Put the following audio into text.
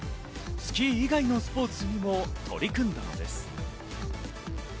スキー以外のスポーツにも取り組んだのです。